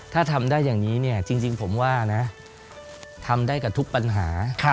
ถ้าทำได้อย่างนี้เนี่ยจริงผมว่านะทำได้กับทุกปัญหา